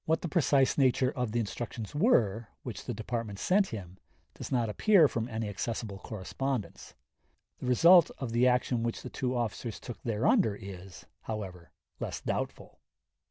What the precise nature of the instructions were, which the Department sent him, does not appear from any accessible correspondence. The result of the action which the two officers took thereunder is, however, less doubtful.